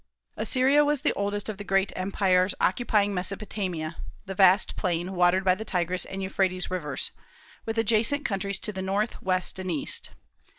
Assyria was the oldest of the great empires, occupying Mesopotamia, the vast plain watered by the Tigris and Euphrates rivers, with adjacent countries to the north, west, and east.